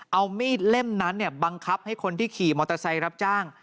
เอามีดเล่มนั้นบังคับให้คนที่ขี่มอเตอร์ไซค์รับจ้าง